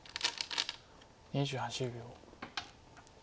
２８秒。